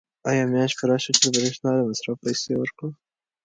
آیا میاشت پوره شوه چې د برېښنا د مصرف پیسې ورکړو؟